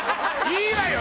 いいわよ！